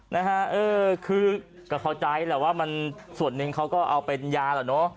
นะฮะเออคือก็เข้าใจแหละว่ามันส่วนหนึ่งเขาก็เอาเป็นยาแหละเนอะ